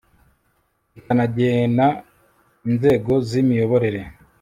rikanagena inzego z imiyoborere